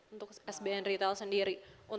untuk sbn retail sendiri